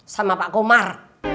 sama pak komar